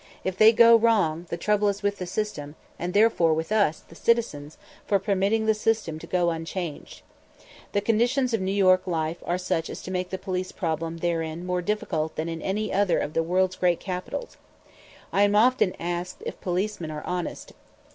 If they go wrong, the trouble is with the system, and therefore with us, the citizens, for permitting the system to go unchanged. The conditions of New York life are such as to make the police problem therein more difficult than in any other of the world's great capitals. I am often asked if policemen are honest.